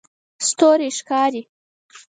ستوری ښکاري